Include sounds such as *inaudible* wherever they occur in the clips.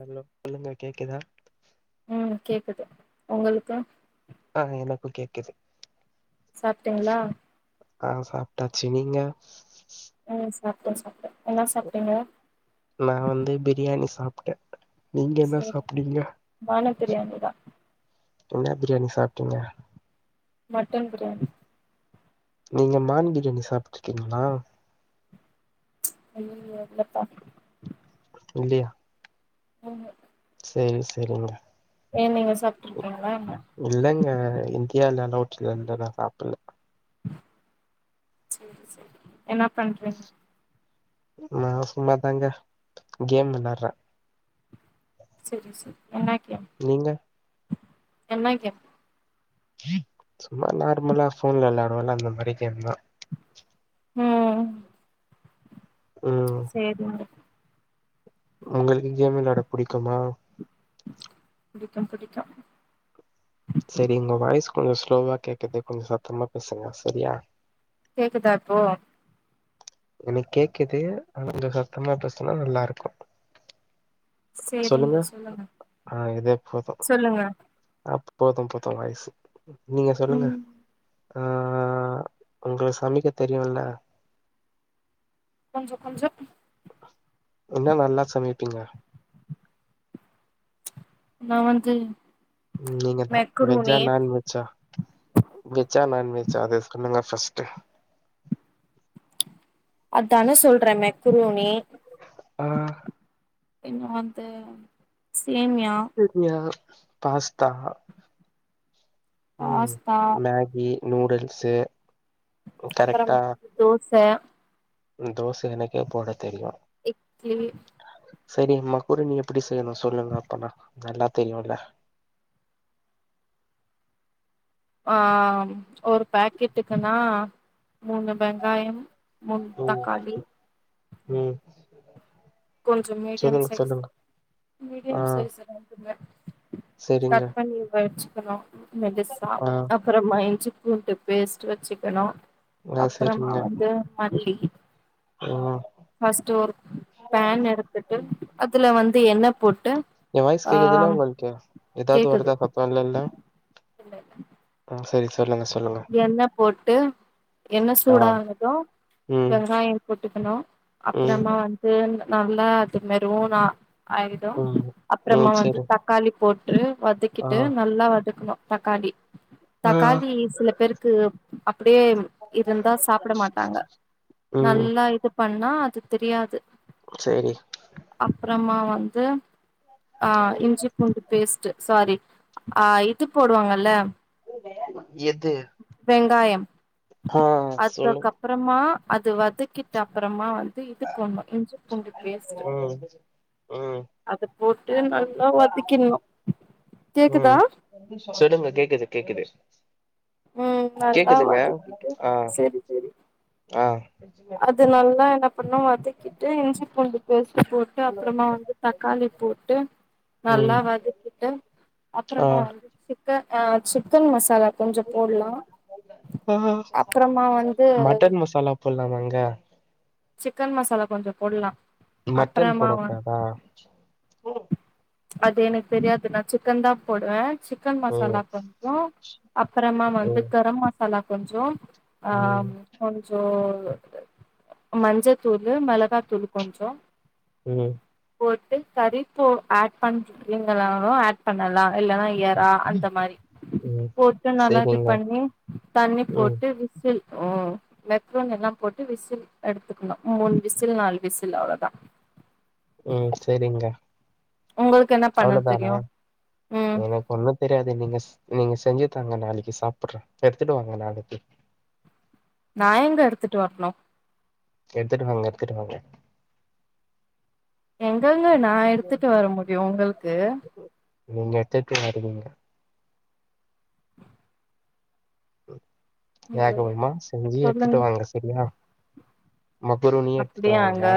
Hello சொல்லுங்க கேக்குதா ம் கேக்குது உங்களுக்கு ஆ எனக்கு கேக்குது சாப்ட்டீங்களா ஆ சாப்ட்டாச்சு நீங்க அ சாப்டே சாப்ட்டே என்ன சாப்ட்டீங்க நா வந்து பிரியாணி சாப்ட்ட நீங்க என்ன சாப்ட்டீங்க பானு பிரியாணிதா என்ன பிரியாணி சாப்ட்டீங்க மட்டன் பிரியாணி நீங்க மான் பிரியாணி சாப்ட்ருக்கீங்ளா ஐயய்யோ இல்லப்பா இல்லயா ஆமா சேரி சேரிங்க நீங்க சாப்ட்ருக்கீங்களா என்ன இல்லங்க இந்தியால அல்லோட் இல்ல நா சாப்புட்ல சேரி சேரி என்ன பண்றீங்க நா சும்மாதாங்க கேம் விளாட்றே செரி செரி என்னா கேம் நீங்க என்ன கேம் சும்மா நார்மலா ஃபோன்ல வெளாடுவோல அந்த மாரி கேம் தா ஆ ம் சேரிங்க ஒங்களுக்கு கேம் விளாட புடிக்குமா புடிக்கு புடிக்கு சேரி உங்க வாய்ஸ் கொஞ்ச ஸ்லோவா கேக்குது கொஞ்ச சத்தமா பேசுங்க செரியா கேக்குதா இப்போ எனக்கு கேக்குது ஆன கொஞ்ச சத்தமா பேசுனா நல்லா இருக்கு சொல்லுங்க ஆ இதே போது சொல்லுங்க அ போது போது வாயிஸு நீங்க சொல்லுங்க ம் ஆ ஆ உங்களுக்கு சமைக்க தெரியுல்ல கொஞ்ச கொஞ்ச என்ன நல்லா சமைப்பீங்க நா வந்து நீங்க தா வெஜ்ஜா மெக்ரூனி நான்வெஜ்ஜா வெஜ்ஜா நான் வெஜ்ஜா அத சொல்லுங்க ஃபஸ்ட்டு அத்தான சொல்றே மெக்ரூனி ஆ இன்னு வந்து சேமியா ம்மியா பாஸ்தா ம் பாஸ்தா மேகி நூடுல்ஸு ம் அப்பறமா கரெக்டா தோச தோச எனக்கே போட தெரியு இட்லி சேரி மக்ரூனி எப்டி செய்யணு சொல்லுங்க அப்பனா நல்லா தெரியுல்ல ஆ ஒரு பேக்கெட்டுக்குனா மூணு வெங்காயம் மூண் ம் தக்காளி ம் கொஞ்ச மீடியம் சொல்லுங்க சொல்லுங்க சைஸ் ஆ மீடியம் சைஸு வாங்குங்க செரிங்க கட் பண்ணி வெச்சுக்கணு மெது சாஃப்ட் ஆ அப் அப்பறமா இஞ்சி பூண்டு பேஸ்ட்டு வெச்சுக்கணு ஆ அப்பறமா செரிங்க வந்து மல்லி ம் ஃபஸ்ட்டு ஒரு பேன் எடுத்துட்டு அதுல வந்து எண்ணெ போட்டு ஏ வாய்ஸ் ஆ கேக்குத்தான உங்களுக்கு எதாவ்து கேக்குது வருதா பாப் பண்லன்டா ஆ செரி செ சொல்லுங்க சொல்லுங்க எண்ண போட்டு எண்ண ஆ சூடானது ம் வெங்காயொ போட்டுக்கணு ம் அப்பறமா வந்து நல்லா அது மெருணனா ஆயிடு ம் ம் அப்பறமா வந்து செரி த க்காளி போட்று ஆ வதக்கிட்டு நல்லா வதக்ணு தக்காளி ஆ தக்காளி சில பேருக் அப்டியே இருந்தா சாப்பட மாட்டாங்க ம் நல்லா இது பண்ணா அது தெரியாது சேரி அப்றமா வந்து ஆ இஞ்சி பூண்டு பேஸ்ட்டு சாரி ஆ இது போடுவாங்கல்ல எது வெங்காயம் ஆ சொல்லுங் அதுக்கப்பறமா அது வதக்கிட்டு அப்பறமா வ ந்து இது போட்ணு இஞ்சி பூண்டு பேஸ்ட்டு ம் ம் அத போட்டு நல்லா வதக்கின்னு கேக்குதா ம் சொல்லுங்க கேக்குது கேக்குது ம் நல்லா கேக்குதுங்க வதக்கிட்டு ஆ செரி செரி ஆ அது நல்லா என்ன பண்ணு வதக்கிட்டு இஞ்சி பூண்டு பேஸ்ட்டு போட் டு அப்றமா வந்து தக்காளி போட்டு நல்லா ம் வதக்கிட்டு ஆ அப்றமா வந்து சிக்க ஆ சிக்கன் மசாலா கொஞ்சொ போட்லா ஆ அப்பறமா வந்து சொல்றாமங்க சிக்கன் மசாலா கொஞ்சொ போட்லா மட்டன் அப்புறமா போட வ கூடாதா அது எனக்கு தெரியாது நா சிக்கன் தா போடுவே சிக்கன் ம் மசாலா கொஞ்சொ அப்பறமா ம் வந்து கரம் மசாலா கொஞ்சொ அ ம், கொஞ்சோ மஞ்சதூளு மெளகாதூளு கொஞ்சொ ம் போட்டு கறி இப்போ ஆட் பண்ணீங்களாலு ஆட் பண்ணலா இல்லெனா எறா அந்த மாரி ம். போட்டு நல்லா இது சரிங்க. பண்ணி தண்ணி ம், போட்டு விசில் ஓ மெக்ரோன் எல்லா போட்டு விசில் எடுத்துக்கெணு மூணு விசில் நாலு விசில் அவ்ளோதா ம் செரிங்க உங்களுக்கு என்ன பண்ண அவ்ளோ தானா தெரியு ம் என க்கு ஒன்னு தெரியாது நீங்க ச் நீங்க செஞ்சு தாங்க நாளெக்கி சாப்புட்ற எடுத்துட்டுவாங்க நாளெக்கி நாயெங்க எடுத்துட்டு வர்ணு எடுத்துட்டு வாங்க எடுத்துட்டு வாங்க எங்கங்க நா எடுத்துட்டு வர முட்யு உங்களுக்கு நீங்க எத்துட்டு வருவீங்க ஐயோ வேகமா செஞ்சு எடுத்துட்டு சொல்லுங்க வாங்க செரியா மக்குரு நீ எடுத்துட்டு வாங்க அப்டியாங்க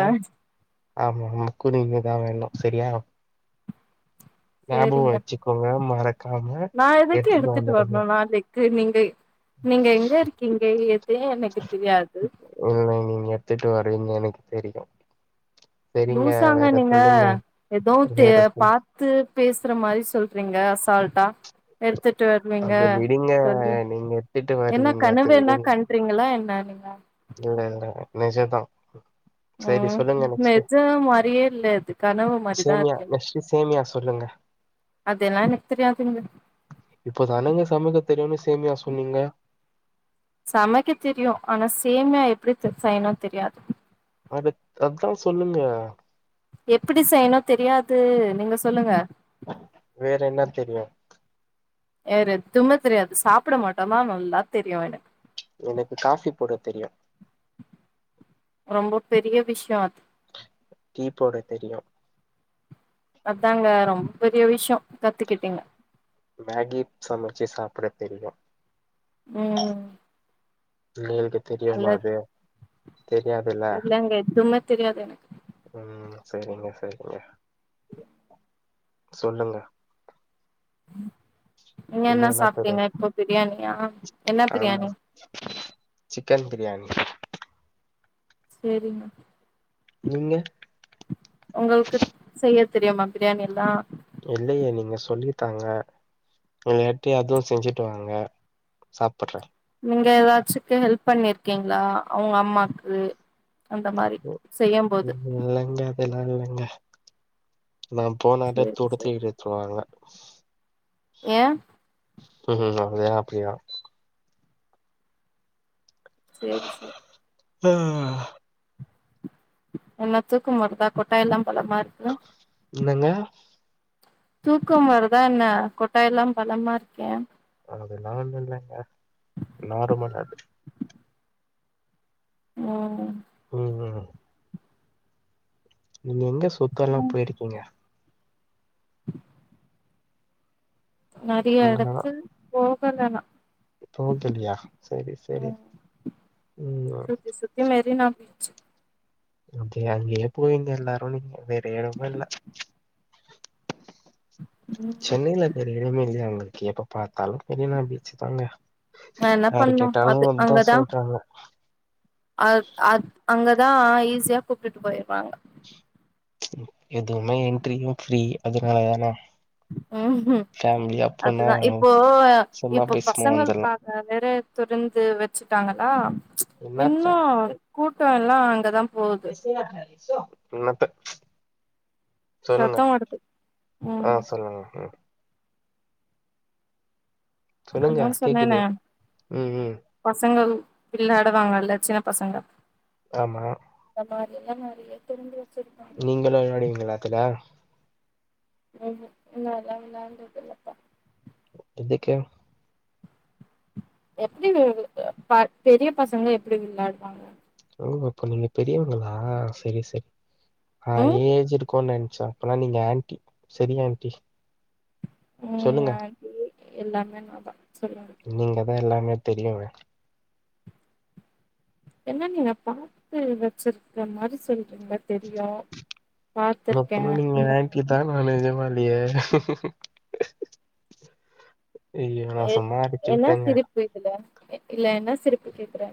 ஆமா மக்குன தா வேணு செரியா சேரிங்க வச்சுக்கோங்க மறக்காம. நா எதுக்கு எடுத்துட்டு வர்ணு நாளெக் க்கு நீங்க நீங்க எங்க இருக்கீங்க எதையு எனக்கு தெரியாது இல்ல நீங்க எடுத்துட்டு வருவீங்க எனக்கு தெரியு லூசாங்க நீங்க சொல்லுங்க. எதோ வேற சொல் பா த்து பேசுற மாரி சொல்றீங்க அசால்டா எடுத்துட்டு வருவீங்க அது விடுங்க. சொல்லி நீங்க எத்துட்டு என்ன வருவீங்க. அது கனுவென விடுங்க. கண் காண்றீங்களா என்ன நீங்க இல்ல இல்ல நெஜதா ம் நெஜ மாரியே இல்ல அது கனவு மாரிதா சேமியா இருக்கு நெக்ஸ்ட்டு சேமியா சொல்லுங்க அதுெல்லா எனக்கு தெரியாதுங்க இப்போ தானங்க சமைக்க தெரியும்னு சேமியா சொன்னீங்க சமைக்க தெரியு ஆனா சேமியா எப்டி செய்யணு தெரியாது அது அதா சொல்லுங்க எப்டி செய்யணு தெரியாது நீங்க சொல்லுங்க வேற என்ன தெரியு வேற எதுமே தெரியாது சாப்பிட மட்டு தா நல்லா தெரியு எனக்கு எனக்கு காஃபி போட தெரியு ரொம்ப பெரிய விஷயோ அது டீ போட தெரியு அதாங்க ரொம்ப பெரிய விஷ்யோ கத்துக்கிட்டீங்க மேகி சமச்சு சாப்பிட தெரியு ம் ம் உங்களுக்கு தெரியும்மா நல்லது அது தெரியாதுல்ல இல்லங்க எனக்கு எதுமே தெரியாதுங்க ம் செரிங்க செரிங்க சொல்லுங்க நீங்க என்ன இன்னும் சாப்ட்டீங்க தெரியும்? இப்போ பிரியாணியா என்ன ஆமா பிரியாணி சிக்கன் பிரியாணி செரிங்க நீங்க உங்களுக்கு செய்ய தெரியுமா பிரியாணி எல்லா இல்லையே நீங்க சொல்லி தாங்க நேத்தே அதுவு செஞ்சுட்டு வாங்க சாப்பிட்றே நீங்க ஏதாச்சக்கு ஹெல்ப் பண்ணிருக்கீங்களா அவங்க அம்மாக்கு அந்த மாரி செய்யு போது அதல்லா இலைங்க நா போனாலே சேரி தூரத்தில சேரி இருனு சொல்லுவாங்க ஏ ம் ம் அப்டியா அப்டியா செரி செரி ம் என்ன தூக்கம் வருதா கொட்டாய் எல்லா பலமா இருக்கு என்னங்க தூக்கம் வருதா என்ன கொட்டாய் எல்லா பலமா இருக்கே அதெல்லா ஒன்னு இல்லைங்க நார்மல் அது ம் ம் ம் நீங்க எங்க சுத்த எல்லா சொல்லுங்க போயிருக்கீங்க நெறையா எடத்து போகலன்னா போக்கிலியா செரி செரி ம் மேரி நா பிச்சு அப்டியே அதுலயே போயீங்க எல்லாரு நீங்க வேற எடமு இல்ல ம் சென்னையில வேற எடவுமே இல்லியாங்க இருக்கு எப்ப பாத்தாலு பெரினா பீச்சு தாங்க நா என்ன யார பண்ணு கேட்டாலு அது அத்தா சொல்றாங்க ஆ ஆ அங்கதா ஈஸியா கூப்பிட்டுட்டு போயிருவாங்க எதுவுமே என்ட்ரியு ஃப்ரீ அதுனால தான அதுதா இப்போ சும்மா இப்போ போய் சும்மா வந்துர்லா பசங்களுக்கா காக வேற துடந்து வெச்சுட்டாங்களா என்னாத்த இன்னு கூட்டோ எல்லா அங்கதா போகுது இன்னத்த சொல்லுங்க சத்தோ வருது ஆ ம் சொல்லுங்க ம் சொல்லுங்க அதா கேக்குது சொன்னேனே ம் ம் பசங்கள் விளாடுவாங்கல்ல சின்ன பசங்க ஆமா இந்த மாரி எல்லா நெறையா தெரிஞ்சு வெச்சிருக்க நீங்களு வெளாடுவீங்களா அதுல ம்ஹூம் நால்ல வெளாண்டதில்லப்பா எதுக்கு எப்டி *unintelligible* பெரிய பசங்க எப்டி விளாடுவாங்க ஓ அப்ப நீங்க பெரியவங்களா செரி செரி ஆ ம் ஏஜ் இருக்குனு நெனச்ச அப்பனா நீங்க ஆன்ட்டி செரி ஆன்ட்டி ம் சொல்லுங்க எல்லாமே நா தா சொல்லுங்க நீங்க தா எல்லாமே தெரியுமே என்ன நீங்க பாத்து வெச்சிருக்கிற மாரி சொல்றீங்க தெரியு பாத்திருக்கே அந்த மாரி இதா நா நெஜமாலயே ஐய்யோ நா சும்மா அடிச்சு விட்டேங்க கேக்குதா இல்ல என்ன சிரிப்பி கேக்குறே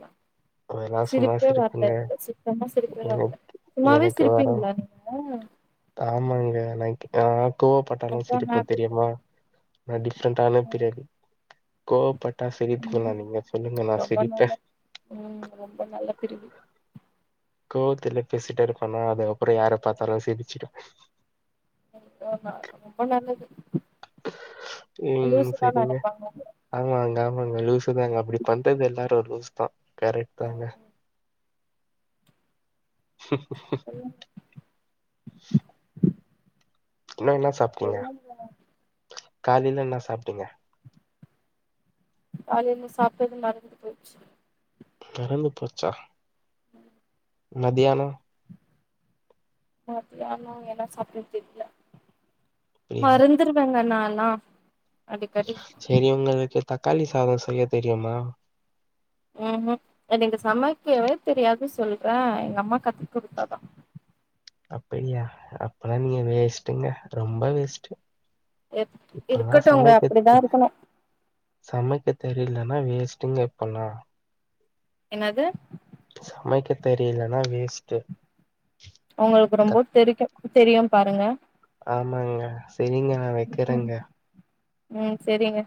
அதெல்லா சும்மா சிரிப்பே வர்ல சிரிப்புங்க இல்ல சுத்தமா சிரிப்பே வர்ல எனக் சும்மாவே எனக்கு வர சிரிப்பீங்களா நீங்க ஆமாங்க நைட் ஆ கோவப்பட்டாலு அதா சிரிப்ப ஹேபிட் தெரியுமா நா டிஃப்ரெண்டான பிரவி கோவப்பட்டா சிரிப்பிங்களா ம் நீங்க சொல்லுங்க நா ரொம்ப சிரிப்பே நல்லது ம் ரொம்ப நல்ல பிரிவு கோவத்துல பேசிட்டா இருப்பனா அது அப்றோ யார பாத்தாலு சிரிச்சுடுவே *inaudible* ரொம்ப நல்லது ம் லூசு தா சரிங்க. நெனைப்பாங்க எல்லாரு ஆமாங்க ஆமாங்க லூசு தாங்க அப்டி பண்றது எல்லாரு ஒரு லூசு தா கரெக்ட் ம் தாங்க *inaudible* சொல்லுங்க என்ன என்ன சாப்ட்டீங்க சொல்லுங்க காலில என்ன சாப்ட்டீங்க காலில சாப்ட்டது மறந்து போச்சு பறந்து போச்சா மதியானோ மத்தியானோ என்ன சாப்ட்ட தெரில அப்படியா? மறந்துருவேங்க நால்லா அடிக்கடி சரி உங்களுக்கு தக்காளி சாதோ செய்ய தெரியுமா ம் ஹூம் எனக்கு சமைக்கவே தெரியாது சொல்றே எங்க அம்மா கத்து குடுத்தாதா அப்படியா அப்பல்லா நீங்க வேஸ்ட்டுங்க ரொம்ப வேஸ்ட்டு எப் இப்பல்லாம் இருக்கட்டும்ங்க சமைக்க அப்படிதா இருக்கணு சமைக்க தெரியலனா வேஸ்ட்டுங்க் இப்போல்லா என்னது சமைக்க தெரியலன்னா வேஸ்ட்டு உங்களுக்கு ரொம்ப கத் தெரிக்கு தெரியு பாருங்க ஆமாங்க செரிங்க நா ம் வெக்கறேங்க ம் சரிங்க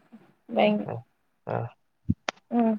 வைய்ங் ஆ ம்